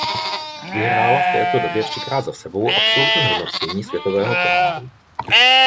Vyhrála v této době třikrát za sebou absolutní hodnocení světového poháru.